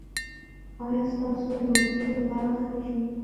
ایا ستاسو روزي به پراخه نه شي؟